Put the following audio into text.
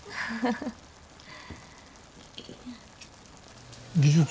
はい。